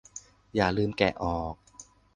อย่าลืมแกะออก